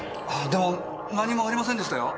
でも何もありませんでしたよ？